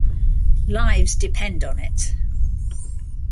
Lives depend on it.